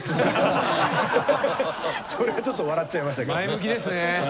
それはちょっと笑っちゃいましたけど。